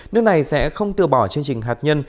nước này sẽ không từ bỏ chương trình hạt nhân